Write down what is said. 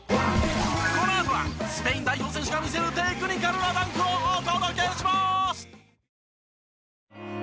このあとはスペイン代表選手が魅せるテクニカルなダンクをお届けします。